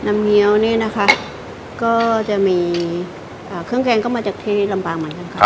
เงี้ยวนี่นะคะก็จะมีเครื่องแกงก็มาจากที่ลำปางเหมือนกันค่ะ